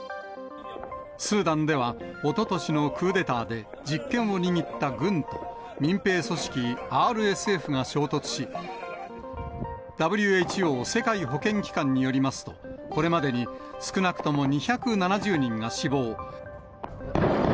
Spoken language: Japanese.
スーダンでは、おととしのクーデターで実権を握った軍と、民兵組織、ＲＳＦが衝突し、ＷＨＯ・世界保健機関によりますと、これまでに少なくとも２７０人が死亡。